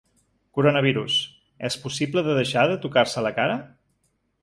Coronavirus: és possible de deixar de tocar-se la cara?